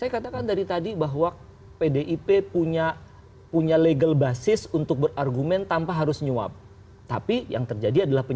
kalau kata bapak mas hidon tadi